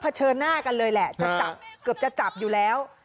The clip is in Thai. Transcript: เชิหน้ากันเลยแหละจะจับเกือบจะจับอยู่แล้ว